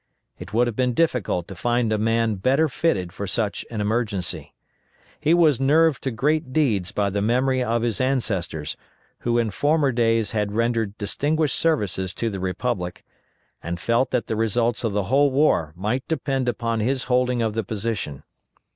It would have been difficult to find a man better fitted for such an emergency. He was nerved to great deeds by the memory of his ancestors, who in former days had rendered distinguished services to the Republic, and felt that the results of the whole war might depend upon his holding of the position.